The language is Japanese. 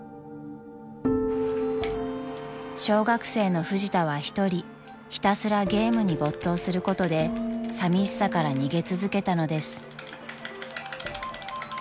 ［小学生のフジタは一人ひたすらゲームに没頭することでさみしさから逃げ続けたのです］